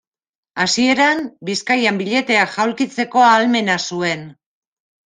Hasieran, Bizkaian billeteak jaulkitzeko ahalmena zuen.